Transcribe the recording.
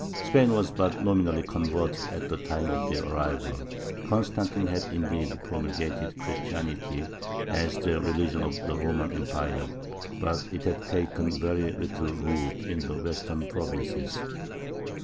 Spain was but nominally converted at the time of their arrival: Constantine had indeed promulgated Christianity as the religion of the Roman Empire, but it had taken very little root in the Western provinces.